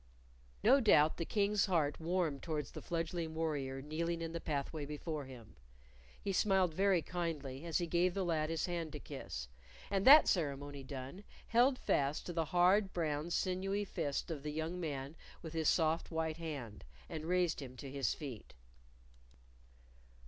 No doubt the King's heart warmed towards the fledgling warrior kneeling in the pathway before him. He smiled very kindly as he gave the lad his hand to kiss, and that ceremony done, held fast to the hard, brown, sinewy fist of the young man with his soft white hand, and raised him to his feet.